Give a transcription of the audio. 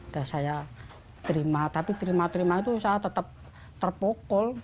cuma itu saya tetap terpukul